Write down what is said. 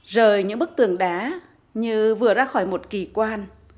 rời những bức tường đá như vừa ra khỏi một kỳ quan